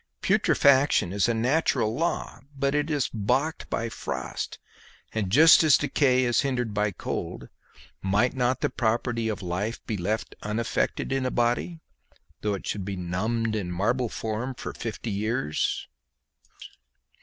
Putrefaction is a natural law, but it is balked by frost, and just as decay is hindered by cold, might not the property of life be left unaffected in a body, though it should be numbed in a marble form for fifty years?